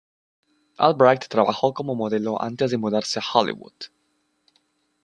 Albright trabajó como modelo antes de mudarse a Hollywood.